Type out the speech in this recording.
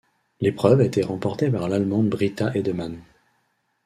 L'épreuve a été remportée par l'Allemande Britta Heidemann.